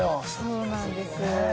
そうなんです。